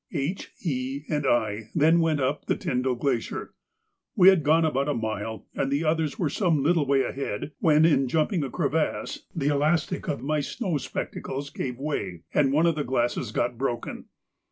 H., E., and I then went on up the Tyndall Glacier. We had gone about a mile, and the others were some little way ahead, when in jumping a crevasse the elastic of my snow spectacles gave way and one of the glasses got broken.